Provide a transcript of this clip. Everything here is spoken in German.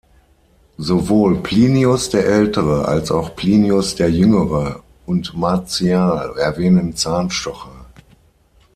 Sowohl Plinius der Ältere als auch Plinius der Jüngere und Martial erwähnen Zahnstocher.